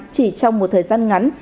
chỉ trong một thời gian ngắn